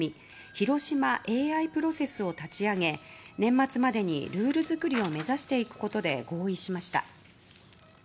広島ＡＩプロセスを立ち上げ年末までにルール作りを目指していくことで合意しました。